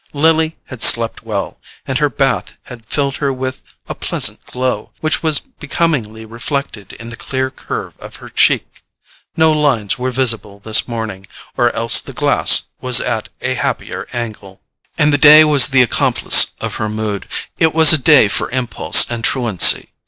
Lily had slept well, and her bath had filled her with a pleasant glow, which was becomingly reflected in the clear curve of her cheek. No lines were visible this morning, or else the glass was at a happier angle. And the day was the accomplice of her mood: it was a day for impulse and truancy.